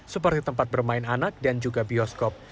seperti tempat bermain anak dan juga bioskop